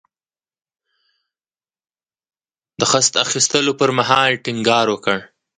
د خصت اخیستلو پر مهال ټینګار وکړ.